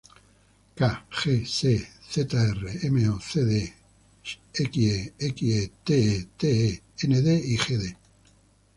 Ca, Ge, Se, Zr, Mo, Cd, Xe, Xe, Te, Te, Nd y Gd.